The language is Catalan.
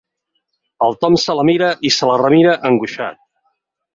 El Tom se la mira i se la remira, angoixat.